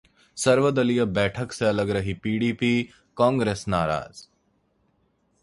सर्वदलीय बैठक से अलग रही पीडीपी, कांग्रेस नाराज